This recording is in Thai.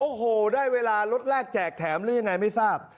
โอ้โหได้เวลารถแรกแจกแถมหรือยังไงไม่ทราบ